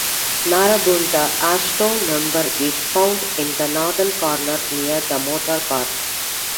Narrabundah Ashstone Member is found in the northern corner near the motor park.